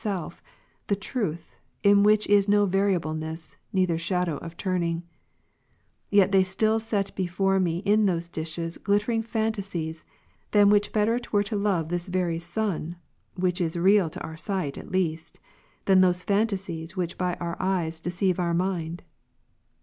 1, self, the Truth, in ivhom is no variableness, neither shadow of ^^' turning : yet they still set before me in those dishes, glit tering fantasies, than which better were it to love this very sun, (which is real to our sight at least,) than those fantasies which by our eyes deceive our mind.